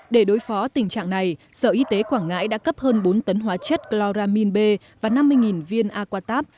để đối phó tình trạng này sở y tế quảng ngãi đã cấp hơn bốn tấn hóa chất chloramin b và năm mươi viên aquatab